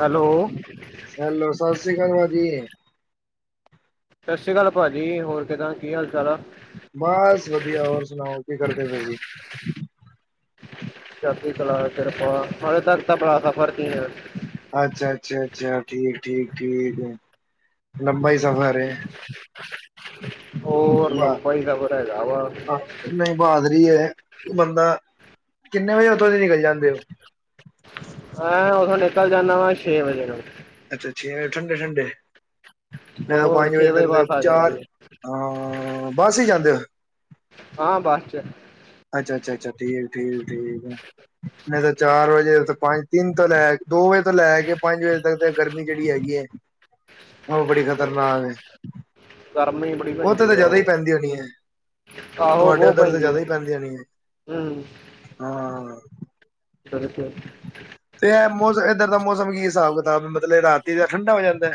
Hello. Hello, ਸਸ ਸ੍ਰੀ ਅਕਾਲ ਭਾਜੀ। ਸਤਿ ਸ਼੍ਰੀ ਅਕਾਲ ਭਾਜੀ। ਹੋਰ ਕਿਦਾਂ, ਕੀ ਹਾਲ ਚਾਲ ਆ? ਬਸ ਵਧੀਆ। ਹੋਰ ਸੁਣਾਓ ਕੀ ਕਰਦੇ ਪਏ ਸੀ? ਚੜਦੀ ਕਲਾ, ਕਿਰਪਾ। ਹਾਲੇ ਤੱਕ ਤਾਂ ਬੜਾ ਸਫ਼ਰ ਚ ਐ। ਅੱਛਾ, ਅੱਛਾ, ਅੱਛਾ। ਠੀਕ, ਠੀਕ, ਠੀਕ‌। ਲੰਬਾ ਈ ਸਫ਼ਰ ਏ। ਹੋਰ, ਲੰਬਾ ਹੀ ਸਫਰ ਹੈਗਾ ਵਾ। ਨਹੀਂ ਬਹਾਦਰੀ ਏ, ਬੰਦਾ ਕਿੰਨੇ ਵਜੇ ਉੱਥੋਂ ਦੀ ਨਿਕਲ ਜਾਂਦੇ ਓ? ਮੈਂ ਉਥੋਂ ਨਿਕਲ ਜਾਂਨਾ ਵਾ, ਛੇ ਵਜੇ ਨੂੰ। ਅੱਛਾ, ਛੇ ਵਜੇ ਠੰਡੇ- ਠੰਡੇ ਮੈਂ ਤਾਂ ਹੋਰ ਪੰਜ ਛੇ ਵਜੇ ਤੱਕ ਦੇ ਬੱਸ ਆ ਜਾਂਦੀ ਚਾਰ ਏ, ਹਾਂ ਬੱਸ ਚ ਜਾਂਦੇ ਹੋ? ਹਾਂ ਬੱਸ 'ਚ ਅੱਛਾ, ਅੱਛਾ, ਅੱਛਾ। ਠੀਕ, ਠੀਕ, ਠੀਕ ਆ। ਨਹੀਂ ਤਾਂ ਚਾਰ ਵਜੇ, ਪੰਜ, ਤਿੰਨ ਤੋਂ ਲੈ ਕੇ, ਦੋ ਵਜੇ ਤੋਂ ਲੈ ਕੇ, ਪੰਜ ਵਜੇ ਤੱਕ ਤਾਂ ਗਰਮੀ ਜਿਹੜੀ ਹੈਗੀ ਏ ਉਹ ਬੜੀ ਖ਼ਤਰਨਾਕ ਏ। ਗਰਮੀ ਬੜੀ ਉਥੇ ਪੈਂਦੀ ਤਾਂ ਆ ਜਿਆਦਾ ਹੀ ਉਹ। ਪੈਂਦੀ ਹੋਣੀ ਏ, ਆਹੋ ਤੁਹਾਡੇ ਬਹੁਤ ਉੱਧਰ ਤਾਂ ਜਿਆਦਾ ਹੀ ਪੈਂਦੀ ਹੋਣੀ। ਆ। ਹੂੰ ਹਾਂ ਬਿਲਕੁਲ, ਤੇ ਇਹ ਮੌਸਮ, ਏਧਰ ਦਾ ਮੌਸਮ ਕੀ ਹਿਸਾਬ- ਕਿਤਾਬ, ਮਤਲਬ ਰਾਤੀ ਦਾ ਠੰਡਾ ਹੋ ਜਾਂਦਾ।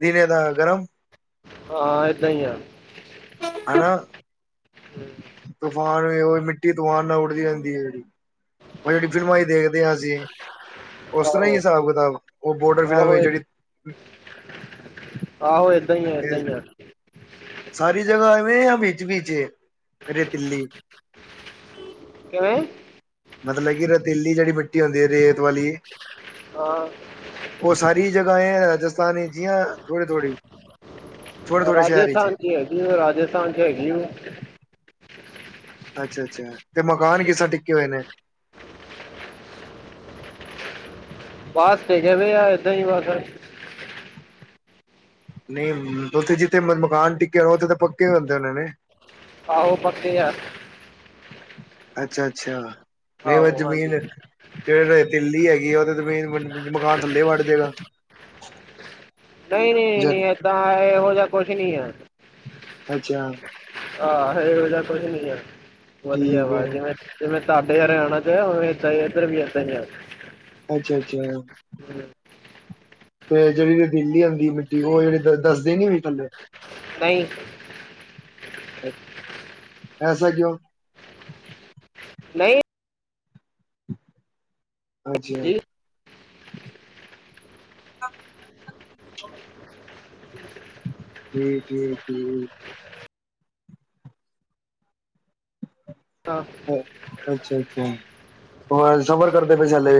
ਦਿਨੇ ਦਾ ਗਰਮ। ਹਾਂ, ਏਦਾਂ ਹੀ ਆ। ਹਨਾਂ। ਤੂਫਾਨ ਵੀ ਉਹ, ਮਿੱਟੀ ਤੂਫਾਨ ਨਾਲ ਉੱਡਦੀ ਰਹਿੰਦੀ ਹੈ ਜਿਹੜੀ। ਉਹ ਜਿਹੜੀ ਫਿਲਮਾਂ ਚ ਦੇਖਦੇ ਹਾਂ ਅਸੀਂ, ਉਸ ਤਰ੍ਹਾਂ ਆਹੋ, ਹੀ ਹਿਸਾਬ ਕਿਤਾਬ ਉਹ ਬੋਰਡਰ ਆਹੋ, ਫਿਲਮ ਜਿਹੜੀ ਆਹੋ, ਏਦਾਂ ਹੀ ਆ, ਏਦਾਂ ਹੀ ਜਿਹੜੀ ਆ। ਸਾਰੀ ਜਗ੍ਹਾ ਐਵੇਂ ਆ ਵਿਚ- ਵਿਚ ਰੇਤੀਲੀ? ਕਿਵੇਂ? ਮਤਲਬ ਕਿ ਰੇਤੀਲੀ ਜਿਹੜੀ ਮਿੱਟੀ ਹੁੰਦੀ ਆ, ਰੇਤ ਵਾਲੀ ਹਾਂ! ਉਹ ਸਾਰੀ ਜਗ੍ਹਾ ਐ ਰਾਜਸਥਾਨ ਵਿਚ ਹੀ ਜਾਂ ਥੋੜੀ- ਥੋੜ੍ਹੀ ਰਾਜਸਥਾਨ ਚ ਹੈਗੀ, ਉਹ ਰਾਜਸਥਾਨ ਚ ਹੈਗੀ ਏ। ਅੱਛਾ, ਅੱਛਾ ਤੇ ਮਕਾਨ ਕਿਸ ਤਰ੍ਹਾਂ ਟਿੱਕੇ ਹੋਏ ਨੇ? ਬਸ ਟਿਕੇ ਵੇ ਆ, ਏਦਾਂ ਹੀ ਬਸ। ਨਹੀਂ ਉੱਥੇ ਜਿੱਥੇ ਮਕਾਨ ਟਿੱਕੇ ਆ, ਉੱਥੇ ਤਾਂ ਪੱਕੇ ਹੁੰਦੇ ਹੋਣੇ ਨੇ। ਆਹੋ ਪੱਕੇ ਆ। ਅੱਛਾ, ਅੱਛਾ ਨਹੀਂ ਮਤਲੱਬ ਆਹੋ ਹਾਂਜੀ ਜਮੀਨ, ਜਿਹੜੇ ਰੇਤਿੱਲੀ ਹੈਗੀ ਆ, ਉਹਦੇ ਜਮੀਨ ਮਕਾਨ ਥੱਲੇ ਵੱੜ ਜਾਏਗਾ। ਨਹੀਂ, ਜ ਨਹੀਂ, ਨਹੀਂ ਏਦਾਂ, ਇਹੋ ਜਿਹਾ ਕੁਛ ਨਹੀਂ ਆ। ਅੱਛਾ। ਆਹ ਇਹੋ ਜਾ ਕੁਛ ਨੀ ਆ, ਵਧੀਆ ਠੀਕ ਵਾ ਹੈ ਜਿਵੇਂ ਜਿਵੇ ਤੁਹਾਡੇ ਹਰਿਆਣਾ ਚ ਆ, ਓਵੇਂ ਏਦਾ ਏਧਰ ਵੀ ਏਦਾ ਹੀ ਆ। ਅੱਛਾ, ਅੱਛਾ। ਹਮ, ਤੇ ਜਿਹੜੀ ਰੇਤੀਲੀ ਹੁੰਦੀ ਏ ਮਿੱਟੀ, ਉਹ ਜਿਹੜੀ ਧੱਸਦੀ ਨੀ ਵੀ ਥੱਲੇ? ਨਹੀਂ। ਅ ਐਸਾ ਕਿਉਂ? ਨਹੀਂ। ਅੱਛਾ। ਜੀ [inaudible] ਕੀ- ਕੀ, ਕੀ [unintelligible] ਅੱਛਾ- ਅੱਛਾ, ਹੋਰ ਸਫਰ ਕਰਦੇ ਪਏ ਸੀ ਹਲੇ?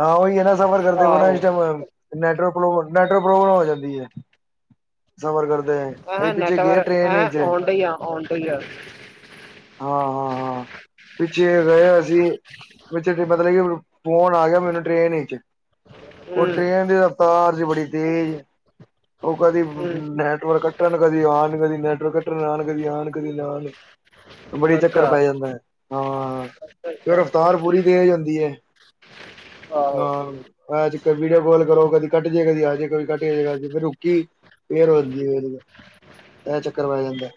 ਹਾਂ ਓਈ ਐ ਨਾ, ਸਫਰ ਕਰਦੇ ਪਏ ਨਾ ਇਸ ਆਹੋ ਟਾਈਮ ਨੈਟਵਰਕ, ਨੈਟਵਰਕ ਪ੍ਰੋਬਲਮ ਹੋ ਜਾਂਦੀ ਐ। ਸਫਰ ਕਰਦੇ। ਆ, ਹਾ ਪਿੱਛੇ ਗਏ ਨੈਟਵਰਕ ਟ੍ਰੇਨ ਆ, ਵਿੱਚ ਓਨਡਈ ਐ, ਓਨਡਈ ਐ। ਹਾਂ- ਹਾਂ, ਹਾਂ। ਪਿੱਛੇ ਗਏ, ਅਸੀ ਵਿੱਚ ਫੇਰ ਮਤਲਬ ਕਿ, ਫੋਨ ਆ ਗੇਆ ਮੈਨੂੰ ਟਰੇਨ ਇਚ ਓ ਹੂੰ ਟ੍ਰੇਨ ਦੀ ਰਫਤਾਰ ਸੀ, ਬੜੀ ਤੇਜ ਓ ਕਦੀ ਹੂੰ ਨੈਟਵਰਕ ਕੱਟਣ ਕਦੀ ਆਣ -ਕਦੀ ਨੈਟਵਰਕ ਕੱਟਣ ਕਦੀ ਆਣ, ਕਦੀ ਆਣ, ਕਦੀ ਨਾ ਆਣ। ਬੜੀ ਚੱਕਰ ਅੱਛਾ ਪੈ ਜਾਂਦਾ, ਹਾਂ, ਅੱਛਾ ਅੱਛਾ ਫੇਰ ਰਫਤਾਰ ਪੂਰੀ ਤੇਜ ਹੁੰਦੀ ਐ। ਆਹੋ। ਬਾਦ 'ਚ ਫੇਰ ਵੀਡੀਓ ਕਾੱਲ ਕਰੋ, ਕਦੀ ਕੱਟ ਜੇ ਕਦੀ ਆ ਜੇ, ਕਦੀ ਕੱਟ ਜੇ ਕਦੀ ਆ ਜੇ, ਫੇਰ ਰੁਕੀ। ਫੇਰ ਵੱਧਦੀ ਐ ਵਦੀਆ, ਐ ਚੱਕਰ ਪੈ ਜਾਂਦਾ।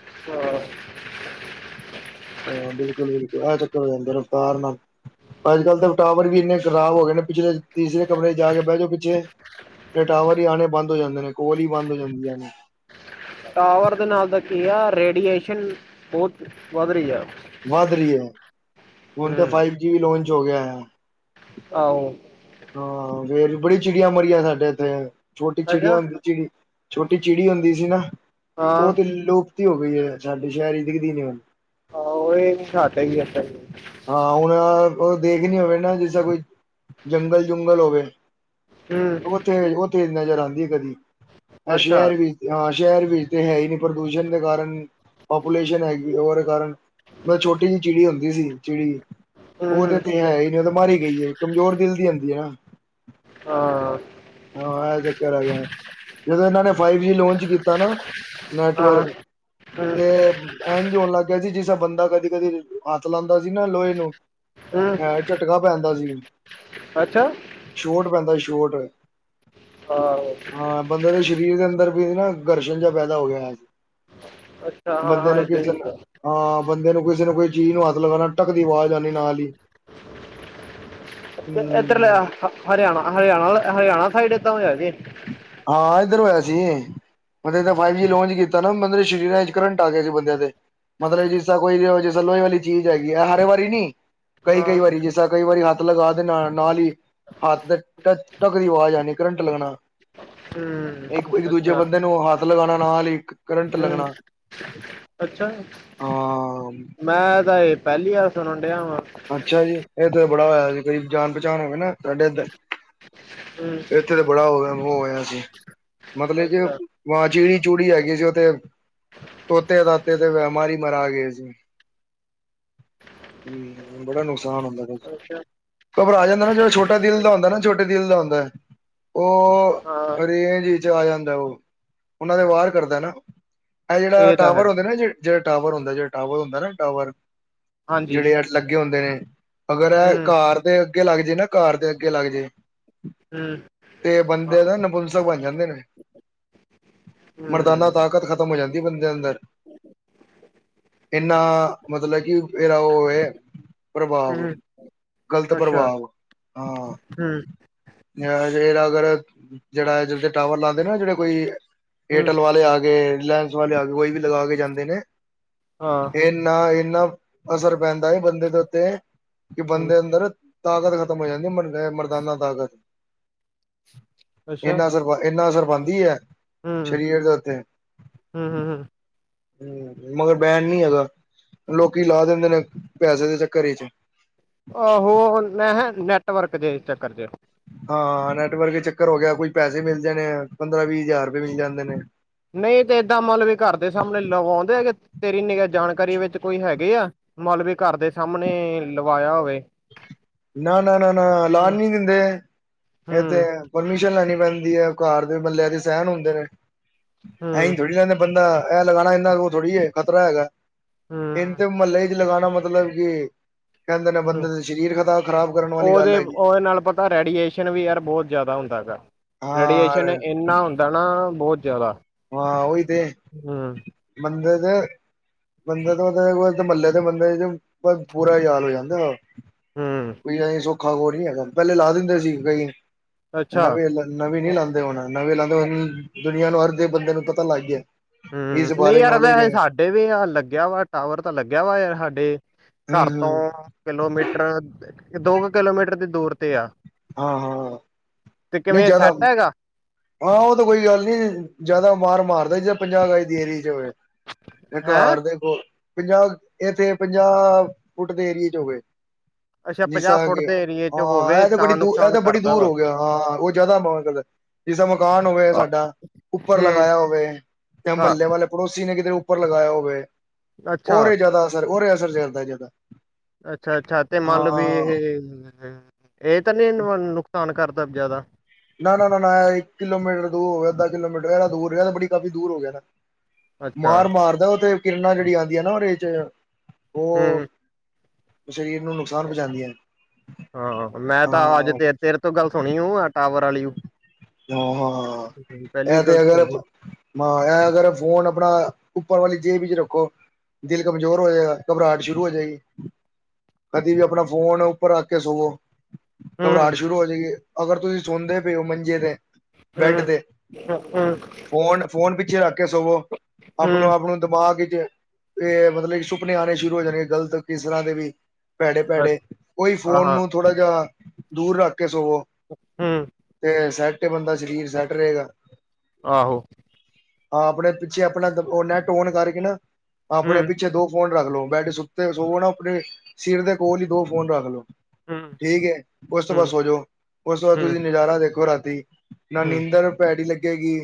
[inaudible] ਹਾਂ, ਬਿਲਕੁਲ -ਬਿਲਕੁਲ ਐ ਚੱਕਰ ਹੋ ਜਾਂਦਾ ਰਫਤਾਰ ਨਾਲ। ਅੱਜ -ਕੱਲ ਤਾਂ, ਟਾਵਰ ਵੀ ਇੰਨੇ ਖਰਾਬ ਹੋ ਗਏ ਨੇ, ਪਿਛਲੇ ਤੀਸਰੇ ਕਮਰੇ 'ਚ ਜਾ ਕੇ ਬੈਹ ਜਾਓ ਪਿੱਛੇ ਤੇ ਟਾਵਰ ਈ ਆਨੇ ਬੰਦ ਹੋ ਜਾਂਦੇ ਨੇ, ਕੌਲ ਈ ਬੰਦ ਹੋ ਜਾਂਦੀਆਂ ਨੇ। ਟਾਵਰ ਦੇ ਨਾਲ ਦਾ ਕੀ ਐ, ਰੇਡੀਏਸ਼ਨ ਬੌਤ ਵੱਧ ਰਈ ਐ। ਵੱਧ ਰਈ ਐ, ਹੁਨ ਤੇ ਫਾਈਵ ਜੀ ਲੋਂਚ ਹੋ ਗੇਆ ਐ। ਆਹੋ। ਹਾਂ, ਫੇਰ ਬੜੀ ਚਿੜੀਆਂ ਮਰੀਆਂ ਸਾਡੇ ਏਥੇ ਛੋਟੀ ਅੱਛਾ ਚਿੜੀਆਂ ਹੁੰਦੀ, ਚਿੜੀ ਛੋਟੀ ਚਿੜੀ ਹੁੰਦੀ ਸੀ ਨਾ, ਓ ਹਾਂ ਤੇ ਲੁਪਤ ਈ ਹੋ ਗਈ ਐ, ਸਾਡੇ ਸ਼ੈਹਰ ਦਿਖਦੀ ਨੀਂ ਹੁਨ। [unintelligible] ਹਾਂ, ਹੁਣ ਓ ਦੇਖਨੀ ਹੋਵੇ ਨਾ ਜਿਸ ਤਰਾਂ ਕੋਈ ਜੰਗਲ -ਜੁੰਗਲ ਹੋਵੇ। ਹੂੰ। ਓਥੇ- ਓਥੇ ਨਜਰ ਆਂਦੀ ਐ ਕਦੀ, ਐ ਅੱਛਾ ਸੈ਼ਹਰ ਵੀ ਹਾਂ, ਸੈ਼ਹਰ ਵਿੱਚ ਤੇ ਹੈ ਈ ਨੀਂ ਪ੍ਰਦੂਸ਼ਨ ਦੇ ਕਾਰਨ, ਪਾਪੂਲੇਸ਼ਨ ਹੈਗੀ ਓਦੇ ਕਾਰਨ ਬਸ ਛੋਟੀ ਜੀ ਚਿੜੀ ਹੁੰਦੀ ਸੀ, ਚਿੜੀ ਹੂੰ ਓ ਤੇ ਹੂੰ ਇੱਥੇ ਹੈ ਈ ਨੀਂ ਓ ਤੇ ਮਰ ਈ ਗਈ ਐ ਕਮਜੋਰ ਦਿਲ ਦੀ ਹੁੰਦੀ ਐ ਨਾ। ਹਾਂ ਹਾਂ ਐ ਚੱਕਰ ਹੈਗਾ, ਜਦੋਂ ਇਨਾਂ ਨੇ ਫਾਈਵ ਜੀ ਲੋਂਚ ਕੀਤਾ ਨਾ, ਨੈਟਵਰਕ ਹਾਂ ਤੇ, ਐੰਜ ਹੋਣ ਲੱਗ ਗੇਆ ਸੀ, ਜਿਸ ਤਰਾਂ ਬੰਦਾ ਕਦੀ- ਕਦੀ ਹੱਥ ਲਾਂਦਾ ਸੀ ਨਾ, ਲੋਏ ਨੂੰ ਹੂੰ ਐਂ, ਝਟਕਾ ਪੈਂਦਾ ਸੀ। ਅੱਛਾ? ਸੋ਼ਟ ਪੈਂਦਾ ਸੀ ਸੋ਼ਟ। ਹਾਂ। ਹਾਂ, ਬੰਦੇ ਦੇ ਸ਼ਰੀਰ ਦੇ ਅੰਦਰ ਵੀ ਨਾ, ਗਰਸ਼ਣ ਜੇਆ ਪੈਦਾ ਹੋ ਗੇਆ। ਅੱਛਾ ਹਾਂ ਬੰਦੇ ਹਾਂ ਨੂੰ ਇਦਾਂ ਕਿਸੇ ਹੀ ਨੂੰ, ਹੁੰਦਾ ਆ ਬੰਦੇ ਨੂੰ ਕਿਸੇ ਨੂੰ ਕੋਈ ਚੀਜ ਨੂੰ ਹੱਥ ਲਗਾਣਾ ਟੱਕ ਦੀ ਆਵਾਜ ਆਨੀ ਨਾਲ ਈ। ਏਧਰ ਹੂੰ ਲੇਆ ਹਰੇਆਣਾ, ਹਰੇਆਣਾ, ਹਰੇਆਣਾ ਸਾਈਡ ਐਦਾਂ ਹੋਏਆ ਸੀ? ਹਾਂ, ਇੱਧਰ ਹੋਏਆ ਸੀ। ਮਤਲਬ ਤਾਂ ਫਾਈਵ ਜੀ ਲਾਂਚ ਕੀਤਾ ਨਾ ਓਨੇ ਦੇ ਸ਼੍ਰੀ ਰਾਜ ਚ ਕਰੰਟ ਆ ਗਿਆ ਸੀ ਬੰਦਿਆਂ ਤੇ। ਮਤਲਬ ਜਿਸ ਤਰ੍ਹਾਂ ਕੋਈ ਵੀ [unintelligible] ਲੋਹੇ ਵਾਲੀ ਚੀਜ਼ ਹੈਗੀ ਐ ਹਰੇ ਵਾਰੀ ਨੀ। ਕਈ ਹਾਂ ਕਈ ਵਾਰੀ ਜਿਸ ਤਰ੍ਹਾਂ ਕਈ ਵਾਰੀ ਹੱਥ ਲਗਾ ਦੇ ਨਾਲ ਨਾਲ ਈ ਹੱਥ ਤੇ ਟਕ ਟਕ ਦੀ ਆਵਾਜ਼ ਆ ਕਰੰਟ ਲੱਗਣਾ। ਹੂੰ ਇੱਕ ਇੱਕ ਦੂਜੇ ਅੱਛਾ ਬੰਦੇ ਨੂੰ ਹੱਥ ਲਗਾਣਾ ਨਾਲ ਈ ਕਰੰਟ ਹੂੰ ਲੱਗਣਾ। ਅੱਛਾ, ਹਾਂ ਮੈਂ ਤਾਂ ਏ ਪਹਿਲੀ ਵਾਰ ਸੁਣਨ ਡਿਆ ਵਾ। ਅੱਛਾ ਜੀ, ਏ ਤੇ ਬੜਾ ਕੋਈ ਜਾਣ ਪਹਿਚਾਣ ਹੋਵੇ ਨਾ ਸਾਡੇ ਇੱਧਰ ਹੂੰ। ਇੱਥੇ ਤੇ ਬੜਾ ਓ ਓ ਹੋਇਆ ਸੀ। ਮਤਲਬ ਕਿ ਅੱਛਾ ਵਾਂ ਚਿੜੀ ਚੂੜੀ ਹੈਗੀ ਜੀ ਓਥੇ। ਤੋਤੇ ਤਾਤੇ ਤੇ ਬੈਮ ਈ ਮਰਾ ਗੇ ਸੀ। ਹੂੰ, ਬੜਾ ਨੁਕਸਾਨ ਹੁੰਦਾ ਪਿਆ ਸੀ। ਅੱਛਾ ਘਬਰਾ ਜਾਂਦਾ ਨਾ ਜਿਹੜਾ ਛੋਟੇ ਦਿਲ ਦਾ ਹੁੰਦਾ ਨਾ ਛੋਟੇ ਦਿਲ ਦਾ ਹੁੰਦਾ। ਓ ਹਾਂ ਰੇਂਜ ਵਿੱਚ ਆ ਜਾਂਦਾ ਓ ਉਹਨਾਂ ਤੇ ਵਾਰ ਕਰਦਾ ਨਾ। ਐ ਜਿਹੜਾ ਇਹ ਤਾਂ ਹੈ ਟਾਵਰ ਹੁੰਦੇ ਨਾ ਜ ਜਿਹੜੇ ਟਾਵਰ ਹੁੰਦਾ ਜਿਹੜਾ ਟਾਵਰ ਹੁੰਦਾ ਨਾ ਟਾਵਰ ਹਾਂਜੀ ਜਿਹੜੇ ਐ ਲੱਗੇ ਹੁੰਦੇ ਨੇ, ਅਗਰ ਏ ਹੂੰ ਘਰ ਦੇ ਅੱਗੇ ਲੱਗ ਜੇ ਨਾ ਘਰ ਦੇ ਅੱਗੇ ਲੱਗ ਜੇ। ਹੂੰ। ਏ ਬੰਦੇ ਹੂੰ ਦਾ ਨਪੁੰਸਕ ਬਣ ਜਾਂਦੇ ਨੇ। ਮਰਦਾਨਾ ਤਾਕਤ ਖ਼ਤਮ ਹੋ ਜਾਂਦੀ ਐ ਬੰਦੇ ਅੰਦਰ। ਇੰਨਾ ਮਤਲਬ ਕਿ ਏਦਾ ਓ ਐ, ਹੂੰ। ਗ਼ਲਤ ਅੱਛਾ ਪ੍ਰਭਾਵ ਹਾਂ! ਹੂੰ ਅ ਏ ਅਗਰ ਜਿਹੜਾ [unintelligible] ਟਾਵਰ ਲਾਂਦੇ ਨਾ ਜਿਹੜੇ ਕੋਈ, ਹੂੰ ਏਅਰਟੈਲ ਵਾਲੇ ਆ ਗਏ, ਰਿਲਾਇੰਸ ਵਾਲੇ ਆ ਗਏ, ਕੋਈ ਵੀ ਲਗਾ ਕੇ ਜਾਂਦੇ ਨੇ, ਹਾਂ ਏਨਾ ਏਨਾ ਅਸਰ ਪੈਂਦਾ ਏ ਬੰਦੇ ਦੇ ਉੱਤੇ, ਕਿ ਹੂੰ ਬੰਦੇ ਅੰਦਰ ਤਾਕਤ ਖਤਮ ਹੋ ਜਾਂਦੀ ਐ ਮ ਮਰਦਾਨਾ ਤਾਕਤ। ਅੱਛਾ ਐਨਾ ਅਸਰ, ਐਨਾ ਅਸਰ ਪਾਂਦੀ ਏ ਹੂੰ, ਸਰੀਰ ਦੇ ਉੱਤੇ। ਹੂੰ, ਹੂੰ, ਹੂੰ। ਹੂੰ, ਮਗਰ ਬੈਨ ਨੀ ਹੈਗਾ ਲੋਕੀ ਲਾ ਦਿੰਦੇ ਨੇ ਪੈਸੇ ਦੇ ਚੱਕਰ ਵਿੱਚ। ਆਹੋ! ਮੈਂ ਨੈਟਵਰਕ ਦੇ ਚੱਕਰ ਚ' ਹਾਂ, ਨੈਟਵਰਕ ਦੇ ਚੱਕਰ ਹੋ ਗਿਆ ਕੁਝ ਪੈਸੇ ਮਿਲ ਜਾਣੇ ਆ ਪੰਦਰਾਂ ਵੀਹ ਹਜ਼ਾਰ ਰੁਪਏ ਮਿਲ ਜਾਂਦੇ ਨੇ। ਨਹੀਂ ਤੇ ਏਦਾਂ ਮਤਲਬ ਵੀ ਘਰ ਦੇ ਸਾਹਮਣੇ ਲਵਾਉਂਦੇ ਹੈਗੇ ਤੇਰੀ ਨਿਗ੍ਹਾ ਜਾਣਕਾਰੀ ਵਿੱਚ ਕੋਈ ਹੈਗੇ ਆ। [unintelligible] ਕੇ ਘਰ ਦੇ ਸਾਹਮਣੇ ਲਵਾਇਆ ਹੋਵੇ। ਨਾ-ਨਾ, ਨਾ-ਨਾ ਲਾਨ ਹੂੰ, ਨੀ ਦਿੰਦੇ ਏ ਤੇ। ਹੂੰ, ਪਰਮਿਸ਼ਨ ਲੈਣੀ ਪੈਂਦੀ ਐ ਘਰ ਦੇ ਬੰਦਿਆਂ ਦੇ ਸੈਂਨ ਹੁੰਦੇ ਨੇ ਹੂੰ, ਐਈ ਥੋੜ੍ਹੀ ਲਾਂਦੇ ਬੰਦਾ ਐ ਲਗਾਣਾ ਏ ਨਾਂ ਓ ਥੋੜ੍ਹੀ ਐ ਖਤਰਾ ਹੈਗਾ ਹੂੰ, [unintelligible] ਮਹੱਲੇ ਲਗਾਣਾ ਮਤਲਬ ਕਿ ਕਹਿੰਦੇ ਨੇ ਬੰਦੇ ਦੇ ਸਰੀਰ ਖ਼ਰਾਬ ਕਰਨ ਵਾਲੀ ਗੱਲ ਓਦੇ ਹੈਗੀ ਓਦੇ ਨਾਲ ਪਤਾ ਰੇਡੀਏਸ਼ਨ ਵੀ ਯਾਰ ਬਹੁਤ ਜ਼ਿਆਦਾ ਹੁੰਦਾ ਹੈਗਾ। ਰੇਡੀਏਸ਼ਨ ਹਾਂ ਇੰਨਾ ਹੁੰਦਾ ਨਾ ਬੋ ਜ਼ਿਆਦਾ, ਹਾਂ, ਓਹੀ ਤੇ ਹੂੰ, ਬੰਦੇ ਤੇ ਬੰਦੇ ਤੋਂ ਮਹੱਲੇ ਦੇ ਬੰਦੇ [unintelligible] ਪੂਰਾ [unintelligible] ਹੋ ਜਾਂਦਾ ਓ। ਹੂੰ ਕੋਈ ਐ ਸੌਖਾ ਕੋ ਨੀ ਹੈਗਾ ਪਹਿਲੇ ਲਾ ਦਿੰਦੇ ਸੀ ਕਈ ਅੱਛਾ। ਐਨਾ ਵੀ ਨਵੀਂ ਨੀ ਲਾਂਦੇ ਹੁਨ ਨਵੀਂ ਲਾਂਦੇ ਹੁੰਦੇ ਦੁਨੀਆਂ ਨੂੰ ਹਰ ਦੇ ਬੰਦੇ ਨੂੰ ਪਤਾ ਲੱਗ ਜੇ। ਹੂੰ ਨਹੀਂ ਯਾਰ ਵੈਸੇ ਸਾ, ਡੇ ਵੀ ਆਹ ਲੱਗਿਆ ਵਾ ਟਾਵਰ ਤਾਂ ਲੱਗਿਆ ਵਾ ਯਾਰ ਸਾਡੇ ਹੂੰ ਘਰ ਹੂੰ ਤੋਂ, ਕਿਲੋਮੀਟਰ, ਦੋ ਕੁ ਕਿਲੋਮੀਟਰ ਦੀ ਦੂਰ ਤੇ ਆ। ਹਾਂ, ਹਾਂ। ਤੇ ਨਹੀਂ ਕਿਵੇਂ, ਜ਼ਿਆਦਾ ਸੈੱਟ ਹੈਗਾ? ਹਾਂ ਉਹ ਤਾਂ ਕੋਈ ਗੱਲ ਨੀ, ਜਿਆਦਾ ਮਾਰ ਮਾਰਦਾ, ਜੇ ਪੰਜਾਹ ਗਜ ਦੇ ਏਰੀਏ 'ਚ ਹੋਵੇ। ਹੈਂ ਘਰ ਦੇ ਕੋਲ, ਪੰਜਾਹ ਇੱਥੇ ਪੰਜਾਹ, ਫੁੱਟ ਦੇ ਏਰੀਏ 'ਚ ਹੋਵੇ। ਅੱਛਾ ਜਿਸ ਪੰਜਾਹ ਤਰ੍ਹਾਂ ਫੁੱਟ ਕਿ, ਦੇ ਏਰੀਏ ਚ ਹਾਂ ਹੋਵੇ ਇਹ ਤਾਂ ਬੜੀ ਦ, ਇਹ ਨੁਕਸਾਨ ਤਾਂ ਬੜੀ ਕਰਦਾ ਦੂਰ ਵਾ ਹੋ ਗਿਆ, ਹਾਂ ਉਹ ਜ਼ਿਆਦਾ ਮਾਰ ਕਰਦਾ। ਜਿਸ ਤਰ੍ਹਾਂ ਮਕਾਨ ਹੋਵੇ ਸਾਡਾ, ਉੱਪਰ ਹੂੰ ਲਗਾਇਆ ਹੋਵੇ ਜਾਂ ਹਾਂ ਮਹੱਲੇ ਵਾਲੇ ਪੜੋਸੀ ਨੇ, ਕਿਤੇ ਉੱਪਰ ਲਗਾਇਆ ਹੋਵੇ ਅੱਛਾ। ਉਹਰੇ ਜ਼ਿਆਦਾ ਅਸਰ, ਉਰੇ ਅਸਰ ਚੱਲਦਾ ਜ਼ਿਆਦਾ। ਅੱਛਾ-ਅੱਛਾ, ਤੇ ਮਤਲਬ ਹਾਂ ਇਹ ਇਹ ਤਾਂ ਨੀ, ਨੁਕਸਾਨ ਕਰਦਾ ਜ਼ਿਆਦਾ? ਨਾ, ਨਾ, ਨਾ ਇੱਕ ਕਿਲੋਮੀਟਰ ਦੂਰ ਹੋ ਗਿਆ, ਅੱਧਾ ਕਿਲੋਮੀਟਰ ਦੂਰ ਰਿਹਾ, ਬੜੀ- ਕਾਫੀ ਦੂਰ ਹੋ ਗਿਆ ਨਾ। ਅੱਛਾ ਮਾਰ ਮਾਰਦਾ ਉੱਥੇ, ਕਿਰਨਾਂ ਜਿਹੜੀ ਆਦੀਆਂ ਨਾ ਉਹਦੇ 'ਚ ਉਹ ਹੂੰ ਸ਼ਰੀਰ ਨੂੰ ਨੁਕਸਾਨ ਪਹੁੰਚਾਉਂਦੀਆਂ ਹਾਂ, ਮੈਂ ਹਾਂ ਤਾਂ ਅੱਜ ਤੇ ਤੇਰੇ ਤੋਂ ਗੱਲ ਸੁਣੀ ਊ, ਟਾਵਰ ਵਾਲੀ ਹਾਂ, ਹਾਂ ਪਹਿਲੀ ਇਹ ਤੇ ਗੱਲ ਅਗਰ ਸੁਣੀ ਹੂੰ ਮੈ ਅਗਰ ਫੋਨ ਆਪਣਾ, ਉੱਪਰ ਵਾਲੀ ਜੇਬ 'ਚ ਰੱਖੋ ਦਿਲ ਕਮਜ਼ੋਰ ਹੋ ਜਾਏਗਾ, ਘਬਰਾਹਟ ਸ਼ੁਰੂ ਹੋ ਜਾਏਗੀ। ਕਦੀ ਵੀ ਆਪਣਾ ਫੋਨ, ਉੱਪਰ ਰੱਖ ਕੇ ਸੋਵੋ ਘਬਰਾਟ ਸ਼ੁਰੂ ਹੋ ਜਾਏਗੀ, ਅਗਰ ਤੁਸੀਂ ਸੌਦੇ ਪਏ ਹੋ ਮੰਜੇ ਤੇ ਬੈਡ ਹੂੰ ਤੇ, ਹੂੰ ਫੋਨ, ਫੋਨ ਪਿੱਛੇ ਰੱਖ ਕੇ ਸੋਵੋ ਆਪਣਾ, ਹੂੰ ਆਪਣਾ ਦਿਮਾਗ 'ਚ ਇਹ ਮਤਲਬ, ਕਿ ਸੁਪਨੇ ਆਉਣੇ ਸ਼ੁਰੂ ਹੋ ਜਾਣੇਗੇ ਗਲਤ, ਕਿਸ ਤਰ੍ਹਾਂ ਦੇ ਵੀ ਭੈੜੇ-ਭੈੜੇ, ਔਹੀ ਹਾਂ ਫੋਨ ਹਾਂ ਨੂੰ ਥੋੜਾ ਜਿਹਾ ਦੂਰ ਰੱਖ ਕੇ ਸੋਵੋ। ਹੂ। ਤੇ ਸੈਟ ਏ ਬੰਦਾ, ਸਰੀਰ ਸੈਟ ਰਹੇਗਾ। ਆਹੋ ਆਪਣੇ ਪਿੱਛੇ ਆਪਣਾ ਉਹ ਨੈਟ ਓਨ ਕਰਕੇ ਨਾ, ਆਪਣੇ ਹੂੰ ਪਿੱਛੇ ਦੋ ਫੋਨ ਰੱਖ ਲਓ, ਬੈਡ ਸੁੱਤੇ ਸੋ ਨਾ ਆਪਣੇ ਸਿਰ ਦੇ ਕੋਲ ਹੀ, ਦੋ ਫੋਨ ਰੱਖ ਲਓ ਹੂੰ ਠੀਕ ਹੈ, ਉਸ ਤੋਂ ਬਾਅਦ ਹੂੰ ਸੋ ਜਾਉ, ਉਸ ਤੋਂ ਬਾਅਦ ਹੂੰ ਤੁਸੀਂ ਨਜ਼ਾਰਾ ਦੇਖੋ ਰਾਤੀ ਨਾ ਹੂੰ, ਨੀਂਦਰ ਭੈੜੀ ਲੱਗੇਗੀ,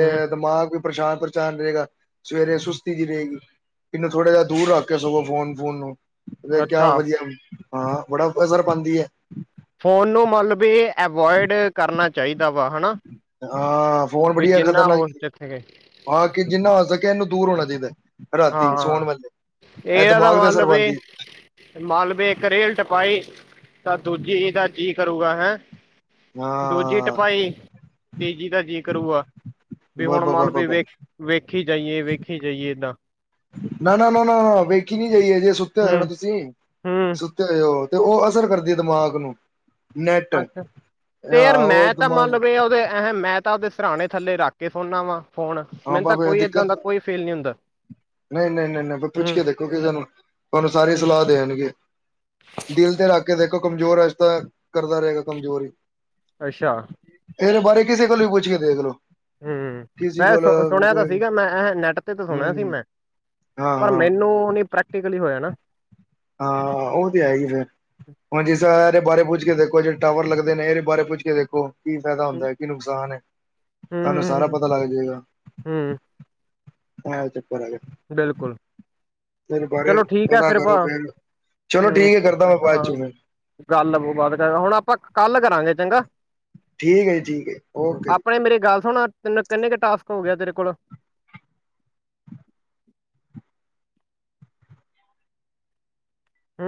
ਹੂੰ, ਦਿਮਾਗ ਵੀ ਪਰੇਸ਼ਾਨ- ਪਰੇਸ਼ਾਨ ਰਹੇਗਾ। ਸਵੇਰੇ ਹੂੰ, ਸੁਸਤੀ 'ਜ ਰਹੇਗੀ, ਇਹਨੂੰ ਥੋੜ੍ਹਾ ਜਿਹਾ ਦੂਰ ਰੱਖ ਕੇ ਸੌਵੌ, ਫੋਨ ਫੂਨ ਨੂੰ ਕਿਆ ਅੱਛਾ ਵਧੀਆ, ਹਾਂ, ਬੜਾ ਅਸਰ ਪਾਉਂਦੀ ਏ। ਫ਼ੋਨ ਨੂੰ, ਮਤਲਬ ਵੀ ਐਵੋਇਡ ਕਰਨਾ ਚਾਹੀਦਾ ਵਾ, ਹਨਾ, ਹਾਂ ਫੋਨ ਵੀ ਬੜੀ ਜਿੰਨਾ ਖਤਰਨਾਕ ਹੋਰ ਬਚੇ ਹਾਂ ਕਿ ਜਿੰਨਾ ਹੋ ਸਕੇ, ਇਹਨੂੰ ਦੂਰ ਹੋਣਾ ਚਾਹੀਦਾ। ਰਾਤੀ ਸੋਣ ਹਾਂ ਵੇਲੇ, ਇਹ ਦਿਮਾਗ ਤੇ ਅਸਰ ਪਾਉਂਦੀ ਏ। ਮਾਲਵੇ ਕਰੇਲ ਟਪਾਈ, ਤਾਂ ਦੂਜੀਦਾ ਜੀ ਕਰੂਗਾ, ਹੈਂ। ਦੂਜੀ ਹਾਂ ਟਪਾਈ, ਤੀਜੀ ਦਾ ਜੀ ਕਰਰੂਗਾ। ਵੀ ਬ ਹੁਣ ਬ ਮੰਨ ਬ ਵੀ, ਬ ਵੇਖ ਵੇਖੀ ਜਾਈਏ, ਵੇਖੀ ਜਾਈਏ ਏਦਾਂ ਨਾ, ਨਾ, ਨਾ, ਨਾ, ਨਾ ਵੇਖੀ ਨੀ ਜਾਹੀਏ, ਜੇ ਸੁੱਤੇ ਹੋ ਨਾ ਹੂੰ, ਤੁਸੀਂ ਹੂੰ, ਸੁੱਤੇ ਹੋਏ ਹੋ, ਉਹ ਅਸਰ ਕਰਦੀ ਦਿਮਾਗ ਨੂੰ ਨੈਟ ਅੱਛਾ, ਤੇ ਉਹ ਮੈਂ ਤਾਂ ਮੰਨ ਦਿਮਾਗ ਲੳ ਇਹ ਉਹਦੇ ਐ ਮੈਂ ਤਾਂ, ਉਹਦੇ ਸਰਾਣੇ ਥੱਲੇ ਰੱਖ ਕੇ ਸੋਨਾ ਵਾ ਫੋਨ, ਹਾਂ ਮੈਨੂੰ ਤਾਂ ਬਾਬਾ ਕੋਈ ਏਦਾਂ ਦਿੱਕਤ ਦਾ ਕੋਈ ਫੀਲ ਨੀ ਹੁੰਦਾ। ਨਹੀਂ, ਨਹੀਂ, ਨਹੀਂ, ਨਹੀਂ ਪੁੱਛ ਹੂੰ, ਕੇ ਦੇਖੋ ਕਿਸੇਨੂੰ, ਤੁਹਾਨੂੰ ਸਾਰੇ ਹੂੰ, ਸਲਾਹ ਦੇਣਗੇ। ਦਿਲ ਤੇ ਰੱਖ ਕੇ ਦੇਖੋ ਕਮਜ਼ੋਰ, ਅੱਜ ਤਾਂ ਕਰਦਾ ਰਹੇਗਾ ਕਮਜ਼ੋਰ ਹੀ। ਅੱਛਾ। ਇਹਦੇ ਬਾਰੇ ਕਿਸੇ ਕੋਲ ਵੀ ਪੁੱਛ ਕੇ ਦੇਖ ਲੋ। ਹ ਕਿਸੇ ਏ ਕੋਲ ਸ ਸੁਣਿਆ ਕੋਈ ਤਾਂ ਸੀਗਾ ਮੈਂ ਇਹ ਨੈਟ ਤੇ ਤਾਂ ਸੁਣਿਆ ਸੀ ਹਮ ਮੈਂ ਹਾਂ ਪਰ ਹਾਂ ਮੈਨੂੰ ਨੀ ਪ੍ਰੈਕਟੀਕਲੀ ਹੋਇਆ ਨਾ ਹਾਂ ਉਹ ਤੇ ਹੈ ਹੀ ਫਿਰ। ਹਾਂ ਜਿਸ ਤਰਹਾ ਇਹਰੇ ਬਾਰੇ ਪੁੱਛ ਕੇ ਦੇਖੋ ਜੇਹੜੇ ਟਾਵਰ ਲਗਦੇ ਨੇ ਇਹਦੇ ਬਾਰੇ ਪੁੱਛ ਕੇ ਦੇਖੋ ਕੀ ਫਾਇਦਾ ਹੂੰ, ਹੁੰਦਾ ਕੀ ਨੁਕਸਾਨ ਏ ਤੁਹਾਨੂੰ ਸਾਰਾ ਹੂੰ, ਪਤਾ ਲੱਗ ਜਾਏਗਾ। ਹੂੰ, ਹਾਂ ਚਪਰਗੇ। ਬਿਲਕੁਲ। ਚਲੋ ਠੀਕ ਆ ਪਤਾ ਫਿਰ ਵਾ ਕਰੋ ਚਲੋ ਹੁ ਠੀਕ ਹੈ ਕਰਦਾ ਮੈਂ ਬਾਅਦ ਹਾਂ ਚ ਫਿਰ ਗੱਲ ਬਾਤ ਕਰ ਹੁਣ ਆਪਾਂ ਕੱਲ ਕਰਾਂਗੇ ਚੰਗਾ। ਠੀਕ ਹੈ ਜੀ ਠੀਕ ਹੈ ਹ ਓਕੇ ਜੀ ਆਪਣੇ ਮੇਰੀ ਗੱਲ ਸੁਣ ਤੈਨੂੰ ਕਿੰਨੇ ਕੁ ਟਾਸਕ ਹੋ ਗਿਆ ਤੇਰੇ ਕੋਲ। ਹੁ